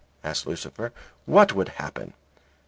asked Lucifer. "What would happen?"